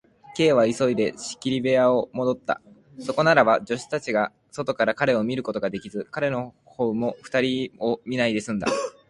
Ｋ は急いで仕切り部屋へもどった。そこならば、助手たちが外から彼を見ることができず、彼のほうも二人を見ないですんだ。